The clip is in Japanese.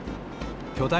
きょだ